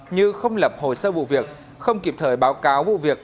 như không lập hồ sơ vụ việc không kịp thời báo cáo vụ việc